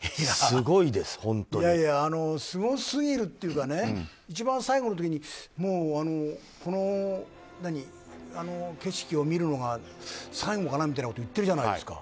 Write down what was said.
すごすぎるっていうか一番最後の時にこの景色を見るのが最後かなみたいなことを言ってるじゃないですか。